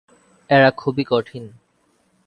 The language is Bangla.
এরা খুবই কঠিন।